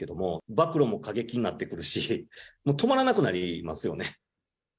暴露も過激になってくるし、もう止まらなくなりますよね。